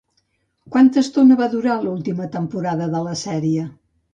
Quanta estona va durar l'última temporada de la sèrie?